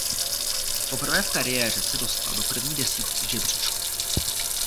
Poprvé v kariéře se dostal do první desítky žebříčku.